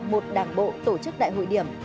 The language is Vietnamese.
một đảng bộ tổ chức đại hội điểm